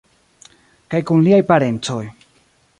Kaj kun liaj parencoj.